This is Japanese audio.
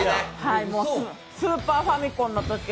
スーパーファミコンのとき